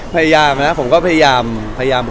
พยายามนะผมก็พยายามคุยนะครับ